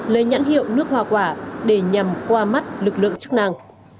lấy nhãn hiệu nước hoa quả để nhằm qua mắt lực lượng chức năng